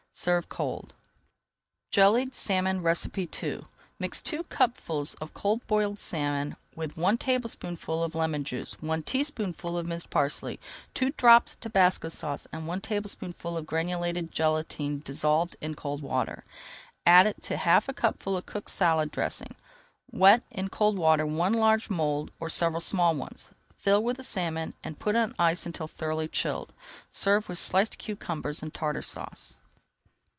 Serve cold. JELLIED SALMON II Mix two cupfuls of cold boiled salmon with one tablespoonful of lemon juice, one teaspoonful of minced parsley, two drops of tabasco sauce and one tablespoonful of granulated gelatine dissolved in cold water. Add it to half a cupful of cooked salad dressing. Wet in cold water one large mould or several small ones, fill with the salmon and put on ice until thoroughly chilled. Serve with sliced cucumbers and Tartar Sauce.